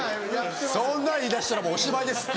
そんなん言いだしたらもうおしまいですって。